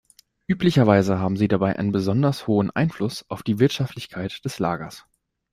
Üblicherweise haben sie dabei einen besonders hohen Einfluss auf die Wirtschaftlichkeit des Lagers.